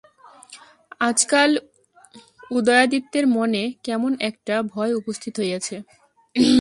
আজকাল উদয়াদিত্যের মনে কেমন একটা ভয় উপস্থিত হইয়াছে।